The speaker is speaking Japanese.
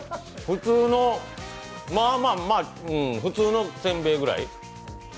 まあまあ普通のせんべいぐらい。